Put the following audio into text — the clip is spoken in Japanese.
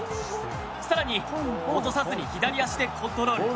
更に落とさずに左足でコントロール。